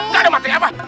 gak ada maksudnya apa